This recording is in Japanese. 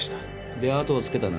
で後をつけたな？